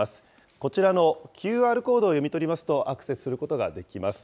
こちらのＱＲコードを読み取りますとアクセスすることができます。